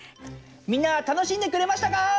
みんなたのしんでくれましたか？